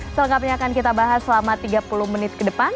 selengkapnya akan kita bahas selama tiga puluh menit ke depan